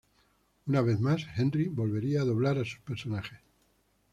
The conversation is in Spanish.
Una vez más, Henry volvería a doblar a sus personajes.